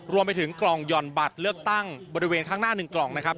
รวมไปถึงกล่องหย่อนบัตรเลือกตั้งบริเวณข้างหน้า๑กล่องนะครับ